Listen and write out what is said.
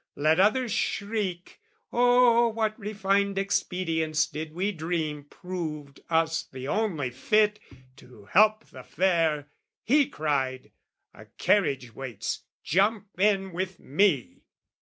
Let others shriek "Oh what refined expedients did we dream "Proved us the only fit to help the fair!" He cried "A carriage waits, jump in with me!"